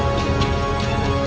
aku mau ke rumah